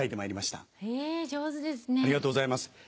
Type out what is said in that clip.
ありがとうございます。